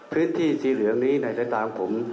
พื้นที่สีเหลืองนี้ไหนจะตามผม